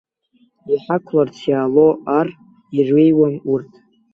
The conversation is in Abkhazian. Иҳақәларц иаало ар иреиуам урҭ.